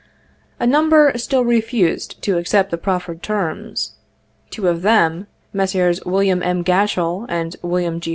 A number still refused to accept the proffered terms. Two of them, Messrs. Wm. H. G atchell and Wm. G